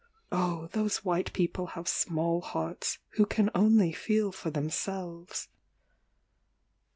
Oh those white people have small hearts who can only feel for themselves.